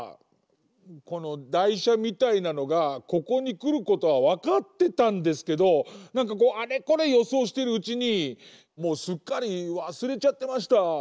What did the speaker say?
このだいしゃみたいなのがここにくることはわかってたんですけどなんかこうあれこれよそうしてるうちにもうすっかりわすれちゃってました。